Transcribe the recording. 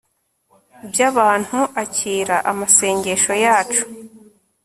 by'abantu, aki-i-ra-a amasengesho yacu